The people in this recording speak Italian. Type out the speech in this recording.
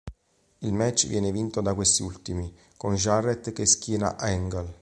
Il match viene vinto da questi ultimi, con Jarrett che schiena Angle.